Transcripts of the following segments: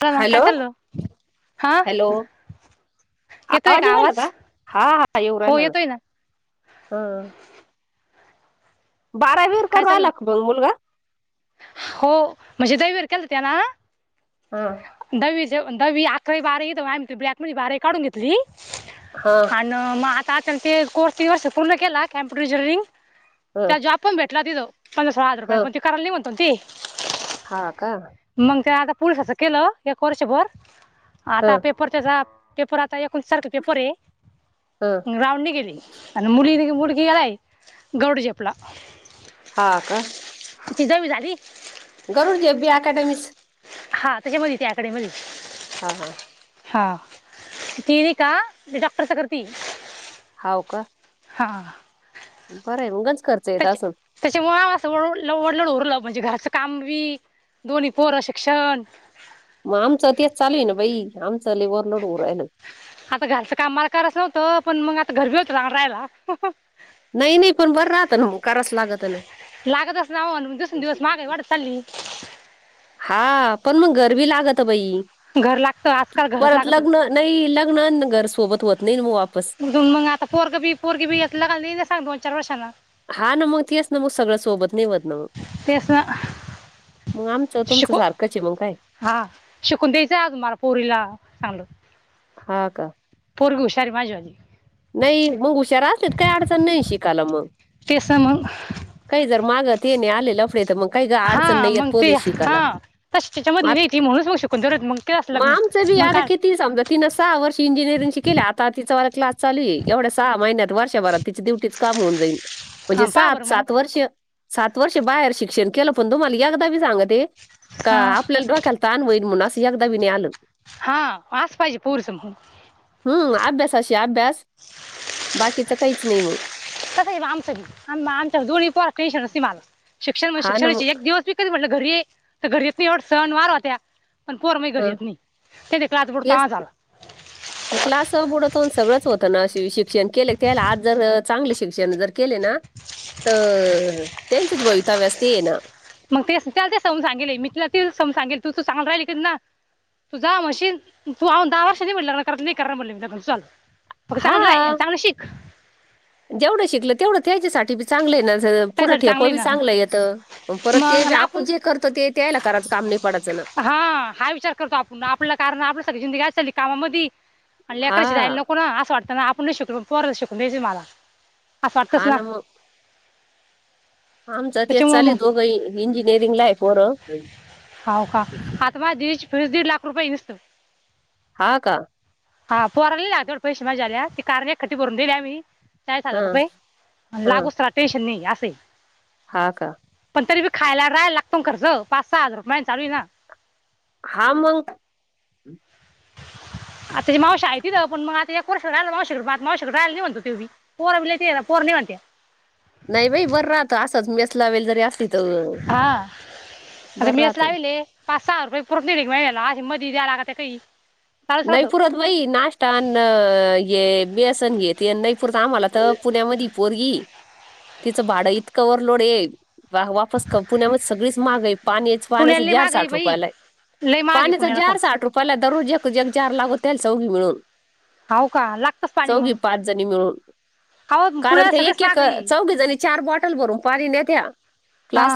बोला ना काय हॅलो चाललं हा हॅलो आवाज येऊ राहीला का? हा हा येऊ हो राहिल ना, येतोय हा बारावीर काय करू चाललं आला का मुलगा? हो म्हणजे [unintelligible] ना, हा दहवी दहावी अकरावि बारावि येते आम् ब्लॅक मधे बारावि काढून घेतली हा आणि मग आता ते कोर्स तीन वर्षे पूर्ण केला कॅम्प्युटर इंजिनिअरिंग ह त्याला जॉब आपण भेटला तीथ पंधरा सोळा हजार रुपया ह पण ती कराला नाही म्हणतो ती, हा का मग ते आता पुडच्याच असं केलं एक वर्षभर ह आता पेप पुढच्याच पेपर आता एकोणीस तारखेला पेपर ये - हा. राऊंडने गेली आणि मुलीने मुलगी आहे गरुड झेपला हा का ती दहावी झाली गरुड झेप बी अकॅडमीच हा त्याची मुलगी त्या अकॅडमी मधी- हा हा हा ती बी का डॉक्टरच करती हाव का. हा बरं आहे म उगच खर्च येत त्याच्या असंल. त्याच्यामुळे आ असं ओढ ओढलड उरलं म्हणजे घरचं काम बी दोन्ही पोरं शिक्षण. मग आमचा ते चालू आहे ना बाई आमचं लय ओव्हरलोड होऊन राहिलं. आता घरचं काम मला करायच होत पण मग आता घरबी होतं नाय रायला. नाही नाही पण बरं राहतं ना ग करायच लागत ना. लागतच नाव दिवसून दिवस महागाई वाढत चालली. हा पण मग घर बी लागत बाई घर लागतं आजकाल घरच परत लागतं. लग्न नाही लग्न आणि घर सोबत होत नाही न बुवा. म्हणून मग आता पोरग बी पोरगी बी लग्नाला येल ना सांग दोन चार वर्षांन, हा ना मग तेच ना मग सगळ सोबत नाही होत ना तेच ना आ मचं तुमच शिकू सारखंच ये भौ काय, हा शिकून द्यायचं अजून मला पोरीला चांगलं. हा का पोरगी हुशार है माझ्यवनी. नाही मग हुशार असेलच काही अडचण नाही शिकायला मग तेच ना मग काही जर मागत ते नाही आलेलं लपडे तर मग काही ग अडचण हा नाही येत मग पोर ते शिकायला हा तशी त्याच्यामधली आ- नाही ती म्हणूनच मग शिकून जरत मग केलास म लग्न आमचं बी मग आता काय किती समजा तीन सहा वर्षी इंजिनिअरिंग केल्या आता तिचा क्लास चालू आहे एवढ्या सहा महिन्यात वर्षभरात तिच डुटीच काम होऊन जाईल म्हणजे हा पहा बरं सात मग सात वर्ष सात वर्ष बाहेर शिक्षण केलं पण तुम्हाला एकदा बी सांग ते का हा आपल्याला डोक्याला- तान होईल मनून अस एकदा बी नाय आलं हा आस पाहिजे पोरीचं म्हणून हम्म अभ्यासशी अभ्यास बाकीच काहीच नाही मग. तसं आहे आमचं बी आ आमच्या दोन्ही पोरांचं टेंन्शन नसती मला शिक्षण म्हण हा ना मग शिक्षणाची एक दिवस भी कधी म्हटलं घरी येे तर घरीेच नाही एवढं सण वार होत्या- [unintelligible] पण पोर माझी घरी हा येत नाही तेथ क्लास बुडता तेच माझा [inaudible] मग क्लास बुडतो आणि सगळंच होतं ना शिक्षण केले त्यायला आज जर चांगले शिक्षण जर केले ना तर त्यांचच भवितव्यास ते ये ना मग ते त्याला ते समजून सांगेलतल मी तला तेच समजून सांगितल तूझ तू सांभाळून राहिल की ना- [unintelligible] तु जवा म्हशीन तू अजून दहा वर्षानी म्हणलं करत म्हटलं नाही करानार म्हणली तरी चालल. मग चांगलंच राहय आणि हा चांगलं शिक- [unintelligible] जेवढं शिकल तेवढं त्याच्यासाठी बी चांगलं आहे ना पुढं त्यासाठी ठेप आहे बी ना चांगलं येतं परत ते मग बी आणि आपण जे करतो तेच [unintelligible] हा हा विचार करतो आपण आपल्याला कारण आपल्या सगली जिंदगी चाली कामामध्ये आणि लेकराची हा जायला नको ना असं वाटतं ना आपण नाही शिकलो पोर शिकून द्यायचे मला असं वाटतंस ना. आमच तेच त्याच्यामुळे चाल दोघं ही इंजिनिअरिंग ला आहेत. होा का आता म दीडश फ दीड लाख रुपय दिसत. हा का? हा पोरलेला तेवढे पैसे मजा आल्या ते कारण एकखा भरून दिल्ली आम्ही. चाळीस हा हजार रुपये म्ह हा लागूस त्याला टेन्शन नाही असे आहे. हा का? पण तरी बी खायला राहायला लागतो ना खर्च पाच सहा हजार महिना चालू आहे ना. हा मग आताची मावशी आहे तिझ पण [unintelligible] नाही बाई बरं राहत असाच मेस लावलेली असली तरी. हा आता बरं मेस राहतं. लाविले. पाच सहा रुपये पुरत नाहीत महिन्याला असे मदी द्याय लागते काही. चालूच नाही राहतं पुरात बाई नाष्टा अन हे बेसन घेत ते नहीं पुरत आम्हाला तर पुण्यामध्ये पोरगी. तिचं भाडं इतकं ओ्हरलोड आहे वा वा- पुण्यामध्ये सगळीच माग आहे पाणीच पुण्याला पाण्याचं लई जार माग साठ बाई रुपयाला आहे. लई माग आहे पाण्याचा पुण्याला जार खर्च साठ रुपयाला दररोज एक जार लागतो चौघी मिळून. हो का लागतंच पाणी चौघी मग पाच जणी मिळून. अहो कारण पुण्याला ते सगळेच एक एक माग आहे चौघीजणी चार बॉटल भरून पाणी नेत्या. हा.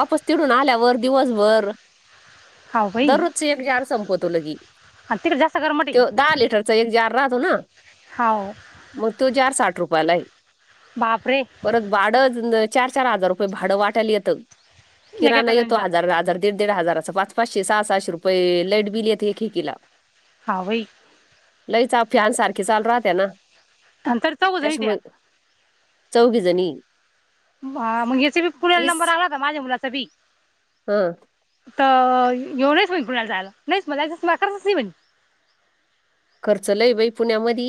ऑफिस वरून आल्यावर दिवसभर हो बाई दररोजच एक जार संपवतो लगी. हा तिकड जास्ती गरम. तो दहा लिटरचा एक जार राहतो ना. हो. म तो जार साठ रुपयाला य. बापरे! परत भाडं चार चार हजार रुपये भाडं वाट्याला येतं,, एका किराणा एका येतो जणीला हजार दीड दीड हजाराचां पाच पाचशे सहा सहाे रुपये, लाईट बिल येत एकेकिला. हावई. लईचा फ्यान सारखी चालू राहते ना, आणि तरी चौघ जणी त्या त्यांच्यामुळे. चौघीजणी. हा, मग हचबी पुण्याला नंबर आलाता माझ्या मुलाचा बी. हां. [unintelligible] खर्च लयी बाई पुण्यामधी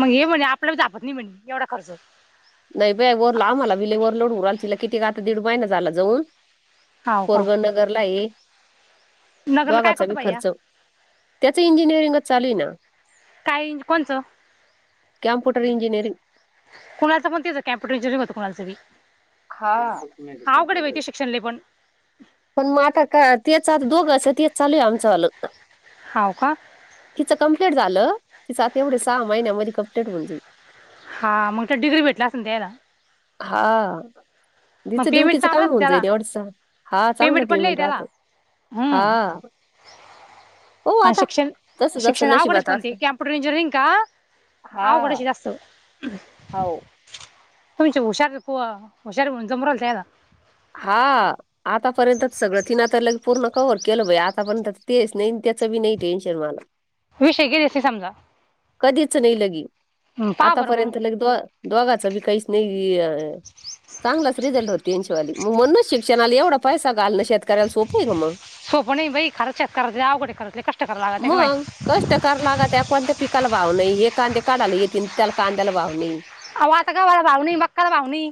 मग ये म्हटलं आपल्याला झेपत नाही म्हटले,, घेवडा खर्च. नाही बाई आम्हाला बी आता लय ओव्हरलोड हू रायला,, तिला किती ग आता दिड महिना झाला जाऊन. हो का पोरगं नगरलाए, नगरला काय करतो दोघाचाबी बाई या खर्च त्याचं इंजिनिअरिंगच चालूए ना. काइंच कोणचं? कँम्पुटर इजनिरिंग. कुणालचं बी तेच होतं, कॅम्पुटर इंजयनिरिंग होतं कुणालचबी. हां. किती शिक्षन लयपण पण मग आता का तेच, आता दोघाचं तेच चालूए आता आमचंवालं. हाव का. तिचं कंप्लीट झालं,, तिचं आता एवढे सहा महिन्यामध्ये कंप्लीट हून जाईल. हा म त्या डिग्री भेटला असल त्यायला हा. मग तिचं पेमेंट ड्युटीचं काम चांगलाच हुन त्याला जाईल एवढसं,, हां चांगलं पण लय पेमेंट त्याला रातं. हम्म हां. हो हा आता शिक्षण, जसं-जसं शिक्षण आवगडच नशिबात बणते, असतं. कॅमप्यूटर इंजिरिंअग का हां, आवगडचे जास्त हो. तुमची हुशारी पुआ, हुशारी म्हणून जमु रायलं त्याला. हां. आतापर्यंतच सगळं तिनं तवर ल पूर्ण कवर केलं बाई, आतापर्यंत तेच नाही त्याचं बी नाही टेन्शन मला. [inaudible] विषय गेलेच ते समजा कधीच नाही लगी, हम्म पहा बरं मग आतापर्यंत लग दो अ दोगाचं बी काही नाहीयऽ, चांगलाच रिझल्ट होत वाली,, मग म्हणूनच शिक्षणाला एवढा पैसा घालणं शेतकऱ्यांला सोपं आहे का मग. सोपं नै बाई, खारंच शेतकर्याच लय आवघड खरच लय कष्ट कराला लागते गं माय. ट करा लागत्या, कोणत्या पिकाला भाव नाही,, हे कांदे काढाला येतील त्याला कांद्याला भाव नाही. अओ आता गवा भाव णै मका ला भाव णै.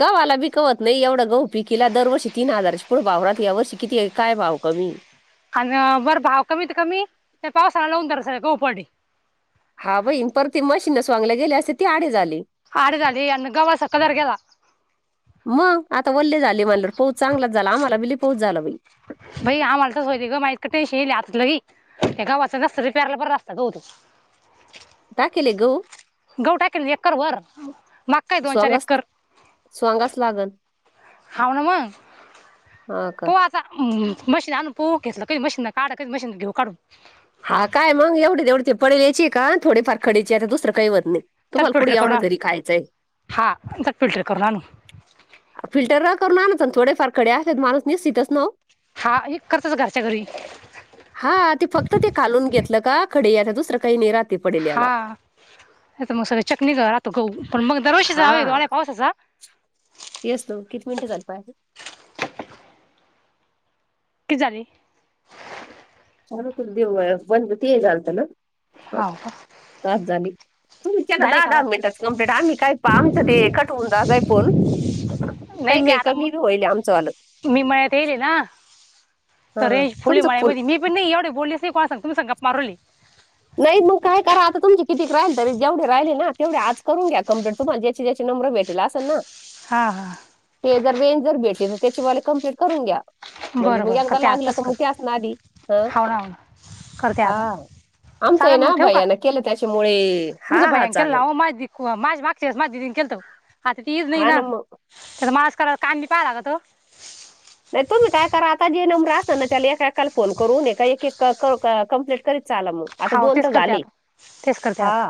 गावाला बी कवत नाही एवढा गौ पीकीला दरवर्षी तीन हजाराच्या पुढं भाव रााते या वर्षी किती आहे काय भाव कमी आणि बरं भाव कमीत त कमी, ते पावसाळा लावून दर स का उपाट हा बही, परती मशीनच वाांगल्या गेल्या असत्या ती आडे झाली. आड झाली अन गवाचा कालर ग्येला. मग, आता वल्ले झाले म्हणलं पहूच चांगलाच झाला, आम्हाला बि लै पौच झाला बाई. बाई आम्हाला तर होय ग माय इतकं टेन्शन यायलंल्या लई हे गव्हाचं रस जरी प्यारला परत अस गहू. [inaudible] गहू गहू टाकले एकर वर मक्काय दोन चार एकर. स्वांगाचं लागल. हाव ना मग, हा का तो आ ता मशीन आणून पोहू की सकाळी मशीनना काढातेत मशीन घेऊ काढून. हा काय मग एवढी तेवढे पडेले यायची का थोडीफार खडीची आता दुसरं काही व्हत नाही. तर तुम्हाला फिल्टर कुठे करू एवढा ना घरी खायचंय हां तर फिल्टर करून आणू. फिल्टर करून आणत जा ना थोडेफार खडे आहेत माणूसनी शितास्नो. हा ही करतात घरच्या घरी. हा ते फक्त ते कालून घेतलं का खडे याला दुसरं काही नी राहत. हा हा नाही तर मग सगळं चिखली गाळ राहतो गहू पण मग दरवर्षीचा ह वेळी पावसाचा तेस तो किती मिनिटं झाल पाहले. किती झाली? चाल तु देव बंद ते झालतं ना हो पाच झाली. तुमच्यान झाले दहा का दहा बस मिनटच कंप्लीट आम्ही काय पाह आमचं ते कट होऊन जात काय फोन. नाही काय मी काय आता म- कमी बी व्हायले आमचं वालं. मी मळ्यात येईल ना तर हां, रेंज फुले तुमचं फुल मळ्यामधी. पण नाही एवढ बोललेच नाही कोणा संग तुमच्या सांग गप्पा मारू राहिले. नाही मग काय करा आता तुमची कितीक राहिले तरी जेवढे राहिले ना तेवढे आज करून घ्या कंप्लीट. तुम्हाला ज्याची ज्याची नंबरं मिळतील असल ना? हा हा. ते जर रेंज जर भेटले तर त्याचीवाले कंप्लीट करून घ्या. म्हणजे बरं मग बरं एकदा करते लागलं क आताच मग करते असणा आधी अ हाव ना हो ना करते आता हा. आमचं आहे चालेल मग ना ठेवू का भैय्याला केलं त्याच्यामुळे हा तुमचं हा भैय्यान केला चालत आओ माझी क माझी मागच्यावेळेस माझ्या दीदीन केलंत ओ आता ती ईज ई नाई हा ना. मग त्या मास कराला कांणी [unintelligible] तो. नाही तुम्ही काय करा आता जे नंबरं असणार ना त्या एका एकाला फोन करून एका एक एक क क क क कंप्लीट करीत चाला मग. आता हो दोन तेच तर करते झाले आता तेच करते हा आता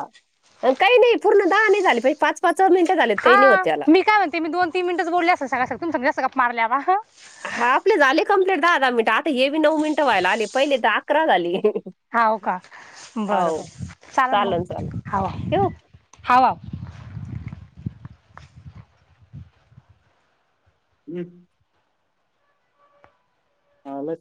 काही नाही पूर्ण दहा नाही झाले पाहिजे पाच पाच मिनटं झालेत काही नाही होत त्याला. ते मी दोन तीन मिनिटचं बोलली असल सगळ्या सग तुमच्या सग कसा गप्पा मारल्या ना. हा आपले झाले कंप्लीट दहा दहा मिनिटं आता हे बी नऊ मिनिटं व्हायला आले पहिले तर अकरा झाले. हाव का बरं बरं चाला चालन चालन मग हाव ठेवू हाव. हम्म. चांगलंय.